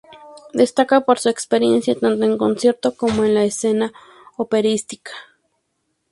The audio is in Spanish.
Destaca por su experiencia tanto en concierto como en la escena operística.